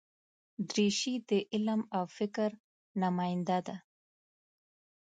دریشي د علم او فکر نماینده ده.